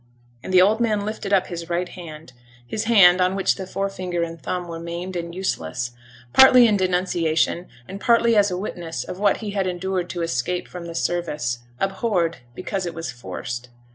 And the old man lifted up his right hand his hand on which the forefinger and thumb were maimed and useless partly in denunciation, and partly as a witness of what he had endured to escape from the service, abhorred because it was forced.